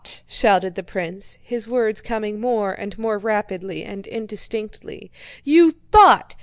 shouted the prince, his words coming more and more rapidly and indistinctly. "You thought!...